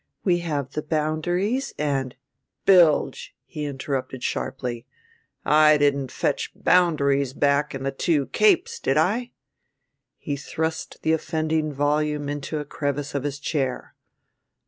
"We have the boundaries and " "Bilge," he interrupted sharply. "I didn't fetch boundaries back in the Two Capes, did I?" He thrust the offending volume into a crevice of his chair.